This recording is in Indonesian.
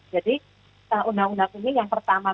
jadi undang undang ini yang pertama